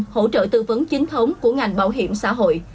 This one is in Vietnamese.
hỗ trợ tư vấn chính thống của ngành bảo hiểm xã hội